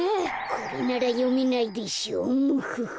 これならよめないでしょムフフ。